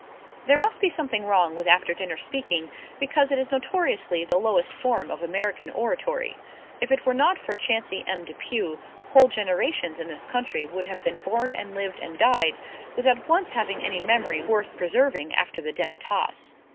There must be something wrong with after dinner speaking because it is notoriously the lowest form of American oratory. It if were not for Chauncey M. Depew whole generations in this country would have been born and lived and died without once having any memory worth preserving after the demitasse.